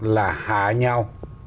là hạ nhau